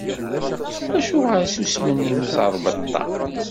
Acuɣer i susmen yimẓerbeṭṭa?